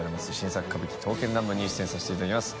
刑邁良餞「刀剣乱舞」に出演させていただきます。